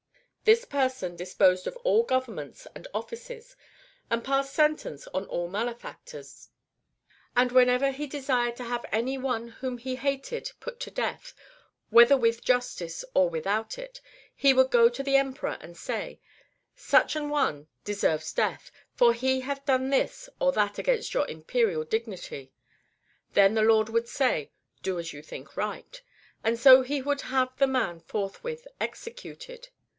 This person disposed of all governments and offices, and passed sentence on all malefactors ; and whenever he desired to have any one whom he hated put to death, whether with justice or without it, he would go to the Emperor and say :" Such an one deserves death, for he hath done this or that against your imperial dignity." Then the Lord would say :" Do as you think right," and so he would have the man forthwith executed.